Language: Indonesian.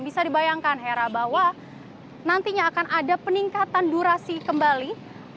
bisa dibayangkan hera bahwa nantinya akan ada peningkatan durasi kembali